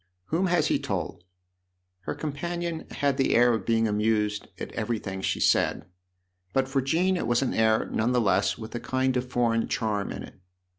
" Whom has he told ?" Her companion had the air of being amused at everything she said; but for Jean it was an air, none the less, with a kind of foreign charm in it.